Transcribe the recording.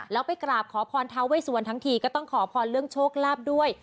แล้วไปกราบขอพรทาเวสวันทั้งทีก็ต้องขอพรเรื่องโชคลาภด้วย